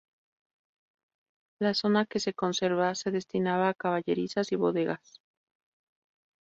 La zona que se conserva se destinaba a caballerizas y bodegas.